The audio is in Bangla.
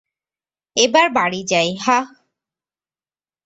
এবার বাড়ি যাই, হাহ?